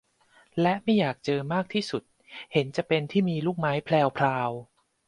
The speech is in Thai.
และไม่อยากเจอมากที่สุดเห็นจะเป็น ที่มีลูกไม้แพรวพราว